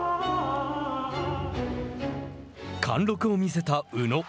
貫禄を見せた宇野。